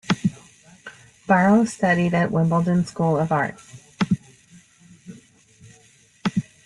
Borrow studied at Wimbledon School of Art.